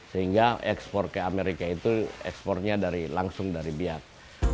sehingga ekspor ke amerika itu ekspornya langsung dari biak